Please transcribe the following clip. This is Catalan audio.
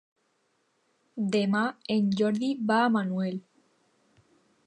Demà en Jordi va a Manuel.